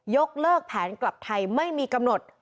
ยกเลิกแผนกลับไทยไม่มีกำหนด